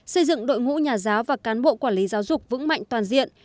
xây dựng đội ngũ nhà giáo và cán bộ quản lý giáo dục vững mạnh toàn diện